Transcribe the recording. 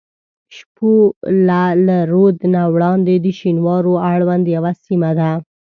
شپوله له رود نه وړاندې د شینوارو اړوند یوه سیمه ده.